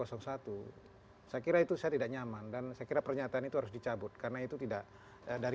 saya kira itu saya tidak nyaman dan saya kira pernyataan itu harus dicabut karena itu tidak dari